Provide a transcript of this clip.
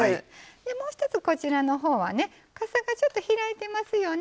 もう一つは、かさがちょっと開いてますよね。